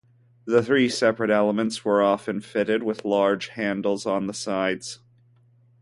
The three separate elements were often fitted with large handles on the sides.